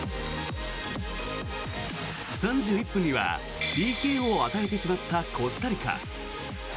３１分にはＰＫを与えてしまったコスタリカ。